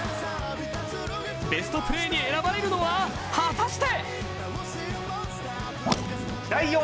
ベストプレーに選ばれるのは果たして？